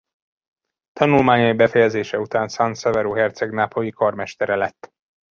Tanulmányai befejezése után San Severo herceg nápolyi karmestere lett.